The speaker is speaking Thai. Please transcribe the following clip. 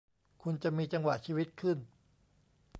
คุณจะมีจังหวะชีวิตขึ้น